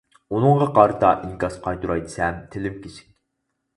ئۇنىڭغا قارىتا ئىنكاس قايتۇراي دېسەم تىلىم كېسىك.